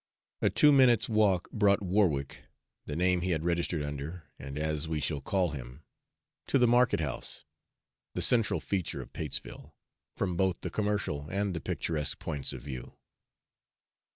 A two minutes' walk brought Warwick the name he had registered under, and as we shall call him to the market house, the central feature of Patesville, from both the commercial and the picturesque points of view.